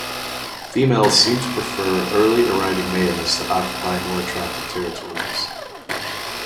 Females seem to prefer early arriving males that occupy more attractive territories.